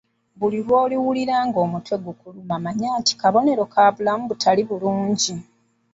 Buli lw'oliwulira omutwe nga gukuluma manya nti kabonero ka bulamu butali bulungi.